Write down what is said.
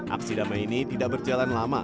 aksi damai ini tidak berjalan lama